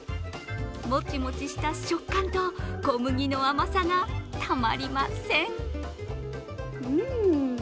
もちもちした食感と小麦の甘さがたまりません。